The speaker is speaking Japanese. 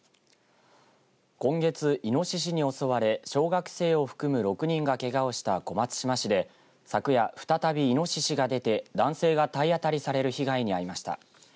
今月いのししに襲われ小学生を含む６人がけがをした小松島市で昨夜再びいのししが出て男性が体当たりされる被害に遭いました。